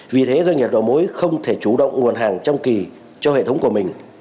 vì thế doanh nghiệp đầu mối không thể chủ động nguồn hàng trong kỳ cho hệ thống của mình